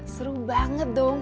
seru banget dong